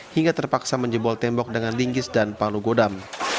hingga terpaksa menjebol tembok dengan lingkis dan palu godam